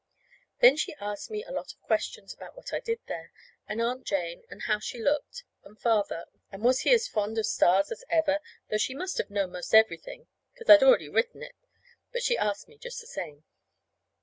Then she asked me a lot of questions about what I did there, and Aunt Jane, and how she looked, and Father, and was he as fond of stars as ever (though she must have known 'most everything, 'cause I'd already written it, but she asked me just the same).